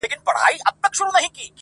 o د يوه پېچ کېدی، بل کونه ځيني غوښته!